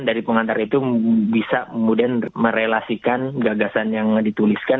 dari pengantar itu bisa kemudian merelasikan gagasan yang dituliskan